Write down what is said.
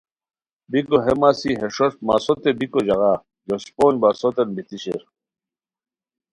بیکو ہے مسی ہے ݰوݰپ مسوتے بیکو ژاغا جوش پونج بسوتین بیتی شیر